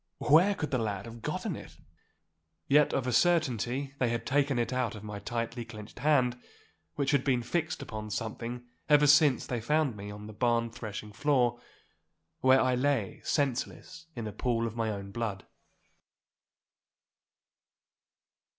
Where could the lad have gotten it?' Yet of a certainty they had taken it out of my tightly clenched hand, which had been fixed upon something ever since they found me on the barn threshing floor, where I lay senseless in a pool of my own blood.